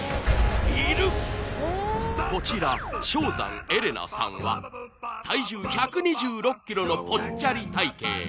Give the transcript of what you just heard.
いるこちら象山エレナさんは体重１２６ｋｇのぽっちゃり体形